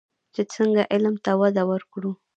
چې څنګه علم ته وده ورکړو.